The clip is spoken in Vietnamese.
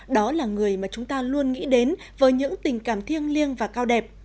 đó là người mà chúng ta luôn nghĩ đến với những tình cảm thiêng liêng và cao đẹp